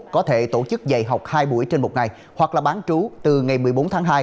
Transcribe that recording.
có thể tổ chức dạy học hai buổi trên một ngày hoặc là bán trú từ ngày một mươi bốn tháng hai